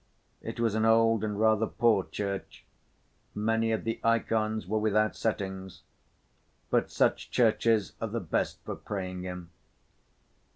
It was an old and rather poor church; many of the ikons were without settings; but such churches are the best for praying in.